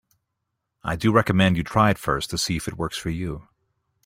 I do recommend you try it first to see if it works for you.